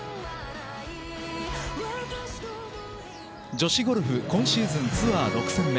女子ゴルフ今シーズンツアー６戦目。